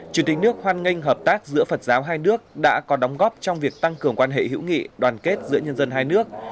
chủ tịch nước hoan nghênh hợp tác giữa phật giáo hai nước đã có đóng góp trong việc tăng cường quan hệ hữu nghị đoàn kết giữa nhân dân hai nước